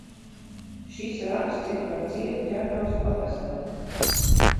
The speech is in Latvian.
Šis raksts ir par ciemu Ķekavas pagastā.